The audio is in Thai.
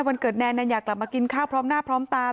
วันเกิดแนนแนนอยากกลับมากินข้าวพร้อมหน้าพร้อมตา